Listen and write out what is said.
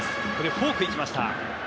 フォーク、いきました。